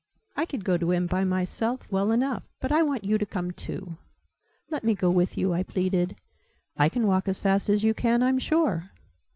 I could go to him, by myself, well enough. But I want you to come too." "Let me go with you," I pleaded. "I can walk as fast as you can, I'm sure."